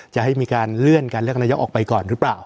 จะให้มีการเลื่อนการเลือกนายกออกไปก่อนหรือเปล่า